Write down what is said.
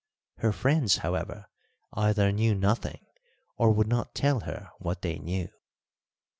Her friends, however, either knew nothing or would not tell her what they knew.